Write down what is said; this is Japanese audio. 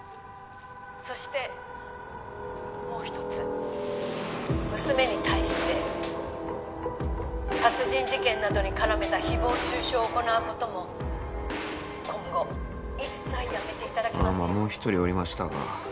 そしてもう一つ娘に対して殺人事件などに絡めた誹謗中傷を行うことも今後一切やめてああまっもう一人おりましたか